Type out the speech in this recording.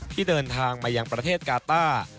ที่เดินทางมายังประเทศกาต้า